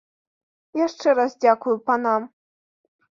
Яшчэ раз дзякую панам.